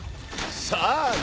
さあな。